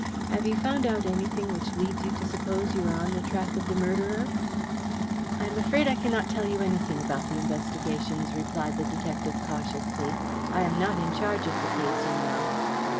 Have you found out anything which leads you to suppose you are on the track of the murdered?" "I am afraid I cannot tell you anything about the investigations," replied the detective cautiously. "I am not in charge of the case, you know."